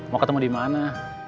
mau ketemu dimana